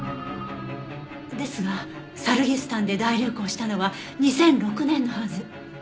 ですがサルギスタンで大流行したのは２００６年のはず。